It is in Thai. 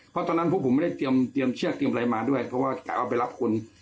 เพราะตอนนั้นพวกผมไม่ได้เตรียมเชือกเตรียมอะไรมาด้วยเพราะว่าจะเอาไปรับคน